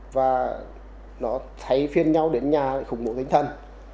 và nó thay phiên nhau đến nhà để khủng bố tính thân